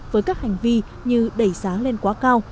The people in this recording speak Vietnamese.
với các hành vi như đẩy sáng lên quá cao